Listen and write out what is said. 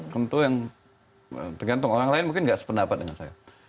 tentu yang tergantung orang lain mungkin nggak sependapat dengan saya